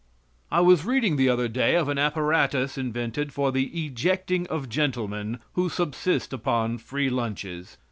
I was reading the other day of an apparatus invented for the ejecting of gentlemen who subsist upon free lunches.